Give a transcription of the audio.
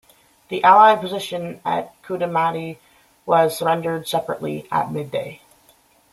The Allied position at Kudamati was surrendered separately at midday.